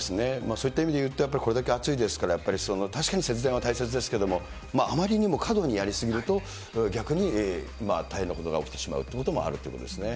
そういった意味でいうと、やっぱりこれだけ暑いですから、やっぱり確かに節電は大切ですけども、あまりにも過度にやり過ぎると、逆に大変なことが起きてしまうということもあるということですね。